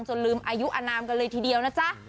ลืมอายุอนามกันเลยทีเดียวนะจ๊ะ